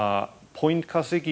ポイント稼ぎ